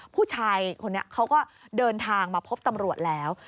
ผู้ชายคนนี้เขาก็เดินทางมาพบตำรวจแล้ว